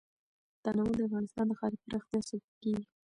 تنوع د افغانستان د ښاري پراختیا سبب کېږي.